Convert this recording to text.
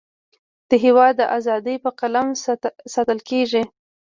د هیواد اذادی په قلم ساتلکیږی